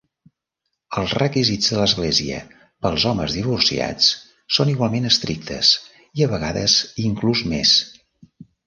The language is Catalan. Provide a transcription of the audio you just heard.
Els requisits de l'església pels homes divorciats són igualment estrictes, i a vegades inclús més.